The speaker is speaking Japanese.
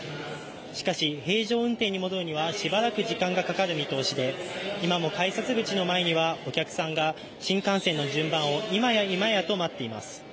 しかし、平常運転に戻るにはしばらく時間がかかる見通しで、今も改札口の前にはお客さんが新幹線の順番を今や今やと待っています。